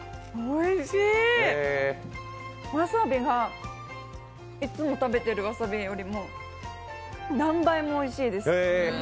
わさびがいつも食べてるわさびよりも何倍もおいしいです。